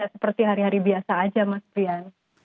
seperti hari hari biasa aja mas rian